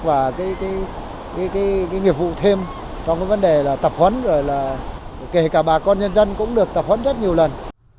và cái nghiệp vụ thêm trong cái vấn đề là tập huấn rồi là kể cả bà con nhân dân cũng được tập huấn rất nhiều lần